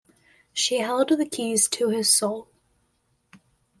She held the keys to his soul.